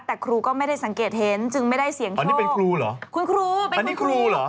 แต่ครูก็ไม่ได้สังเกตเห็นจึงไม่ได้เสียงอันนี้เป็นครูเหรอคุณครูอันนี้ครูเหรอ